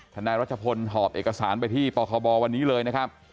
นายรัชพลหอบเอกสารไปที่ปคบวันนี้เลยนะครับ